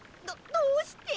どどうして。